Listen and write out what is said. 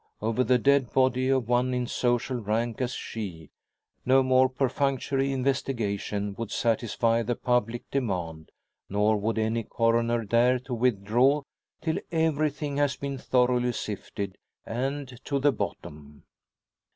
Over the dead body of one in social rank as she, no mere perfunctory investigation would satisfy the public demand, nor would any Coroner dare to withdraw till everything has been thoroughly sifted, and to the bottom.